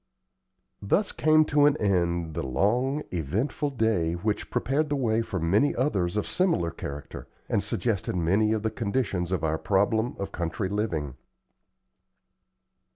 Thus came to an end the long, eventful day, which prepared the way for many others of similar character, and suggested many of the conditions of our problem of country living.